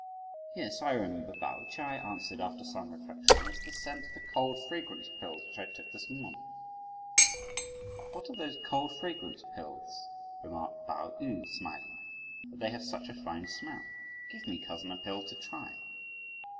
"Yes, I remember," Pao Ch'ai answered, after some reflection; "it's the scent of the 'cold fragrance' pills which I took this morning." "What are these cold fragrance pills," remarked Pao yü smiling, "that they have such a fine smell? Give me, cousin, a pill to try."